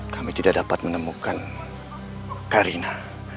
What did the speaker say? kami tidak dapat menemukan karina